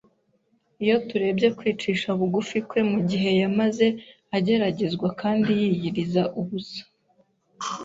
Iyo turebye kwicisha bugufi kwe mu gihe yamaze ageragezwa kandi yiyiriza ubusa